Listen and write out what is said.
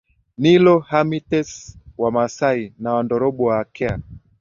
Nilo Hamites Wamaasai na Wandorobo Wa Akea